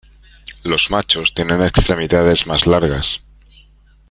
Los machos tienen extremidades más largas.